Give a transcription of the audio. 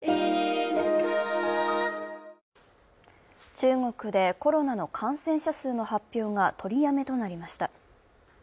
中国でコロナの感染者数の発表が取りやめとなりました。